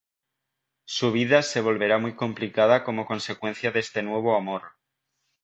Su vida se volverá muy complicada como consecuencia de este nuevo amor.